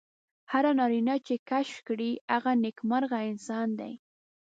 هر نارینه چې یې کشف کړي هغه نېکمرغه انسان دی.